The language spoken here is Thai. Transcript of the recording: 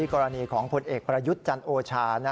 กรณีของผลเอกประยุทธ์จันโอชา